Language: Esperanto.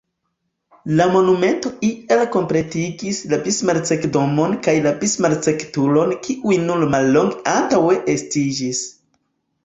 La monumento iel kompletigis la Bismarck-domon kaj la Bismarck-turon kiuj nur mallonge antaŭe estiĝis.